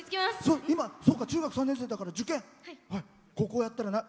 今、中学３年生だから受験。